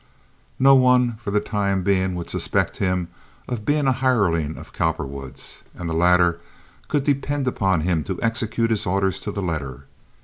No one for the time being would suspect him of being a hireling of Cowperwood's, and the latter could depend on him to execute his orders to the letter.